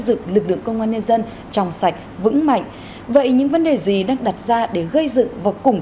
dựng lực lượng công an nhân dân tròng sạch vững mạnh vậy những vấn đề gì đang đặt ra để gây dựng và củng